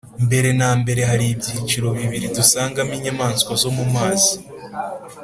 mbere na mbere hari ibyiciro bibiri dusangamo inyamaswa zo mu mazi.